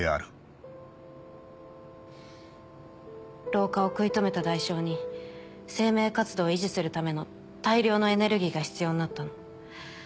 老化を食い止めた代償に生命活動を維持するための大量のエネルギーが必要になったの。